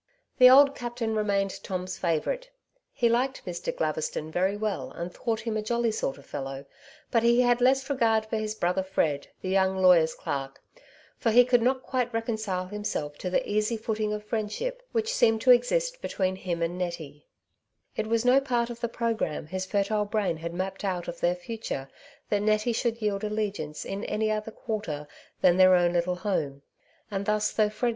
The old captain remained Tom's favourite. He liked Mr. Glaveston very well, and thought him a jolly sort of fellow ; but he had less regard for his brother Fred, the young lawyer's clerk ; for he could not quite reconcile himself to the easy footing of friendship which seemed to exist between him and 138 ^^ Tivo Sides to every Question ^ Nettie, It was no part of the programme his fertile brain had mapped out of their future that Nettie should yield allegiance in any other quarter than their own little home, and thus, though Fred.